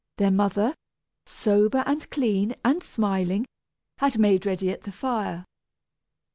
their mother, sober, and clean, and smiling, had made ready at the fire.